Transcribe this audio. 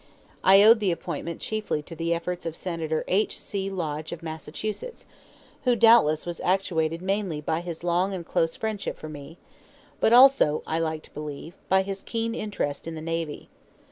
I owed the appointment chiefly to the efforts of Senator H. C. Lodge of Massachusetts, who doubtless was actuated mainly by his long and close friendship for me, but also I like to believe by his keen interest in the navy.